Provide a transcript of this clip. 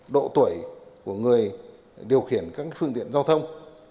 độ tuổi của người điều khiển các phương tiện giao thông